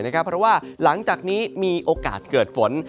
เพราะว่าหลังจากนี้มีโอกาสเกิดฝน